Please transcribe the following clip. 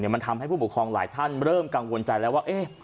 มันทำให้ผู้ปกครองหลายท่านเริ่มกังวลใจแล้วว่า